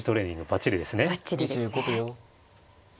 ばっちりですね。